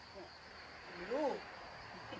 มันเบิ่งกันแน่กันเด้อ